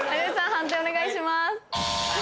判定お願いします。